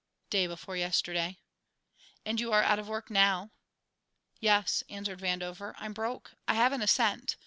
"Day before yesterday." "And you are out of work now?" "Yes," answered Vandover. "I'm broke; I haven't a cent.